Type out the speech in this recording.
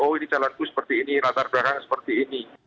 oh ini jalanku seperti ini latar belakang seperti ini